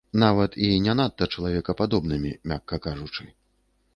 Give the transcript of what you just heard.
Нават і не надта чалавекападобнымі, мякка кажучы.